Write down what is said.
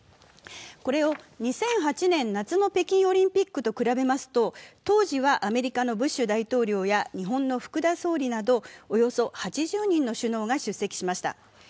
これを２００８年夏の北京オリンピックと比べますと当時はアメリカのブッシュ大統領や日本の福田総理など、およそ８０人の首脳が出席しました。